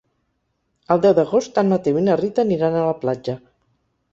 El deu d'agost en Mateu i na Rita aniran a la platja.